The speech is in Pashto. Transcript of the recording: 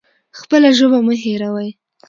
خپله ژبه مه هیروئ